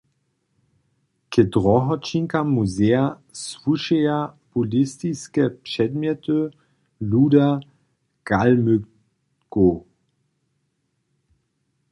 K drohoćinkam muzeja słušeja buddhistiske předmjety luda Kalmykow.